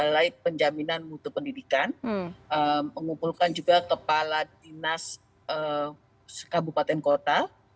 laik penjaminan mutu pendidikan mengumpulkan juga kepala dinas kabupaten kota